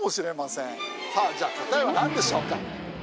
さあじゃあ答えはなんでしょうか。